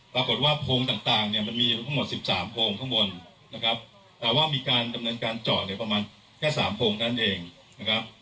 ปรากฏว่าโพงต่างเนี่ยมันมีอยู่ทั้งหมด๑๓โพงข้างบนนะครับแต่ว่ามีการดำเนินการเจาะเนี่ยประมาณแค่๓โพงนั่นเองนะครับ